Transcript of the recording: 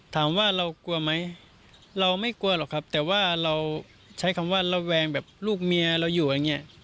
ถามว่าเรากลัวไหมเราไม่กลัวหรอกครับแต่ว่าเราใช้คำว่าระแวงแบบลูกเมียเราอยู่อย่างเงี้ย